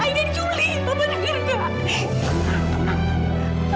aida diculik bapak dengar nggak